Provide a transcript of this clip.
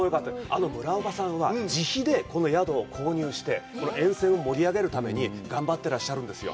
あの村岡さんは自費でこの宿を購入して、沿線を盛り上げるために頑張ってらっしゃるんですよ。